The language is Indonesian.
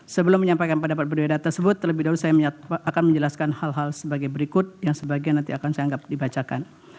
sebelum menyampaikan pendapat berbeda tersebut terlebih dahulu saya akan menjelaskan hal hal sebagai berikut yang sebagian nanti akan saya anggap dibacakan